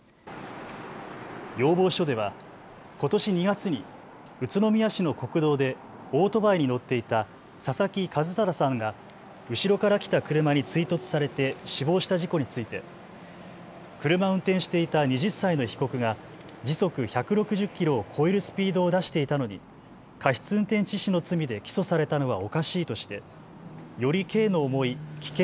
要望書ではことし２月に宇都宮市の国道でオートバイに乗っていた佐々木一匡さんが後ろから来た車に追突されて死亡した事故について車を運転していた２０歳の被告が時速１６０キロを超えるスピードを出していたのに過失運転致死の罪で起訴されたのはおかしいとしてより刑の重い危険